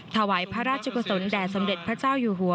ถวายพระราชกุศลแด่สมเด็จพระเจ้าอยู่หัว